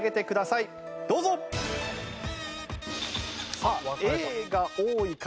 さあＡが多いか？